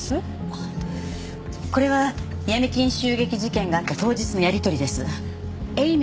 これは闇金襲撃事件があった当日のやり取りです。